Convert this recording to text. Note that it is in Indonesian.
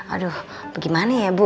aduh bagaimana ya bu